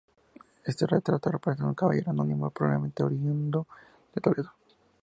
Este retrato representa a un caballero anónimo, probablemente oriundo de Toledo.